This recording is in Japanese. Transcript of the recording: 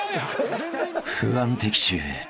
［不安的中］